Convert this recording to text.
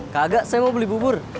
kagak saya mau beli bubur